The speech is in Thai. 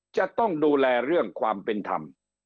จะต้องดูแลเรื่องความเป็นธรรม